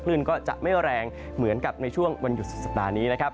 คลื่นก็จะไม่แรงเหมือนกับในช่วงวันหยุดสุดสัปดาห์นี้นะครับ